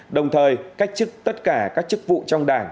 đồng thời cách chức tất cả các chức vụ trong đảng